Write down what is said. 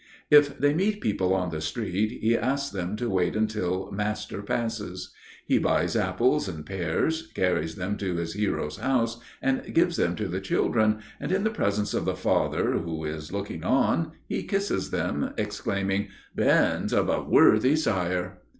If they meet people on the street, he asks them to wait until master passes. He buys apples and pears, carries them to his hero's house and gives them to the children, and in the presence of the father, who is looking on, he kisses them, exclaiming: "Bairns of a worthy sire!"